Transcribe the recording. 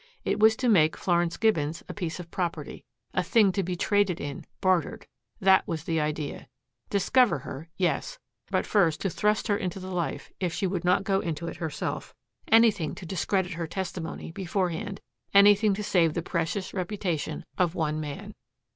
It was to make Florence Gibbons a piece of property, a thing to be traded in, bartered that was the idea. Discover her yes; but first to thrust her into the life if she would not go into it herself anything to discredit her testimony beforehand, anything to save the precious reputation of one man.